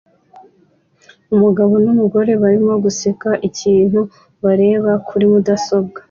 Umugabo numugore barimo guseka ikintu bareba kuri mudasobwa